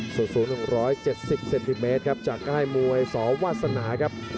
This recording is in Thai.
สูงหนึ่งร้อยเจ็ดสิบเซนติเมตรครับจากใกล้มวยสวสนาครับ